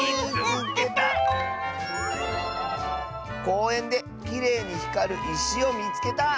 「こうえんできれいにひかるいしをみつけた！」。